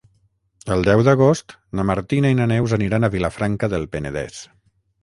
El deu d'agost na Martina i na Neus aniran a Vilafranca del Penedès.